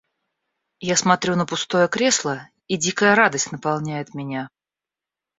Я смотрю на пустое кресло, и дикая радость наполняет меня.